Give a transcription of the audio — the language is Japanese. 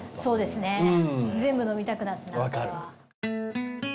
そうですね全部飲みたくなっちゃうこれは。